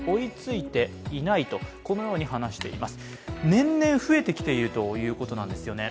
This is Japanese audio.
年々増えてきているということなんですよね。